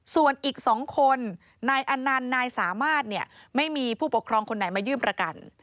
ส่วนอีก๒คนนายอนันต์นายสามารถเนี่ยไม่มีผู้ปกครองคนไหนมายื่นประกัน